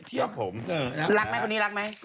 ไอตรีโอ๊ยพอเคราะห์รูไอจีฉันนี้ทะมาก